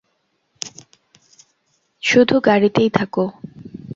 শুধু গাড়িতেই থাক।